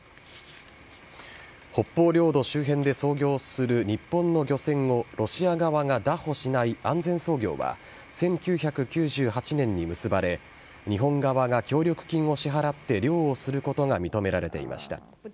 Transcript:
北方領土周辺で操業する日本の漁船をロシア側が拿捕しない安全操業は１９９８年に結ばれ日本側が協力金を支払って漁をすることが認められていました。